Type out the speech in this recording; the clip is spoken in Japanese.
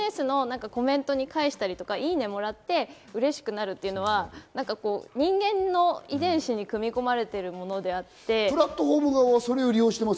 ＳＮＳのコメントに返したり、いいねをもらってうれしくなるというのは人間の遺伝子に組み込まれているものであって。